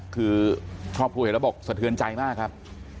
คือครอบครัวเห็นแล้วบอกสะเทือนใจมากครับ